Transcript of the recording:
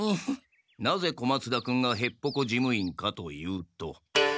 なぜ小松田君がヘッポコ事務員かというと。